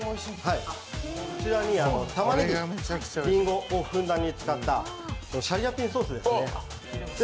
こちらに、たまねぎ、りんごをふんだんに使ったシャリアピンソースですね。